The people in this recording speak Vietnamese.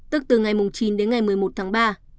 tức từ ngày chín đến ngày một mươi một tháng ba